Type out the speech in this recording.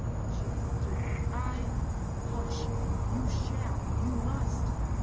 she faltered. "I " "Hush! You shall you must!"